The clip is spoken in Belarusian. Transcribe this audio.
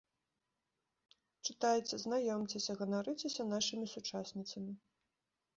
Чытайце, знаёмцеся, ганарыцеся нашымі сучасніцамі!